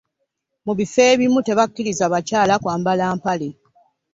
Mubifo ebimu tebakiriza bakyala kwambala mpale.